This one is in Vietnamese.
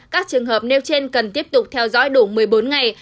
các trường hợp nêu trên cần tiếp tục theo dõi đủ một mươi bốn ngày